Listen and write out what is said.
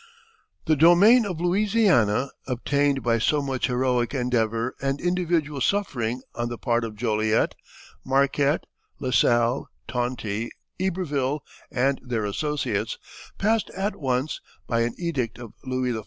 The domain of Louisiana, obtained by so much heroic endeavor and individual suffering on the part of Joliet, Marquette, La Salle, Tonti, Iberville, and their associates, passed at once, by an edict of Louis XIV.